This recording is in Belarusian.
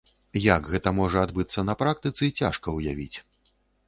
Як гэта можа адбыцца на практыцы, цяжка ўявіць.